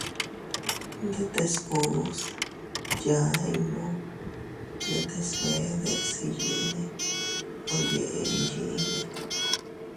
Ndetes uus yaa innu ndetes bee deʼes iyyinne o yeʼe iyinne.